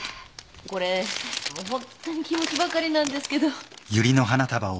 これホントに気持ちばかりなんですけど。